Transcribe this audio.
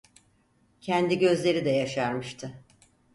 Kendi gözleri de yaşarmıştı.